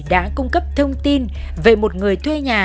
đã cung cấp thông tin về một người thuê nhà